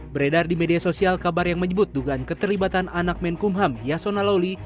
beredar di media sosial kabar yang menyebut dugaan keterlibatan anak menkumham yasona lawli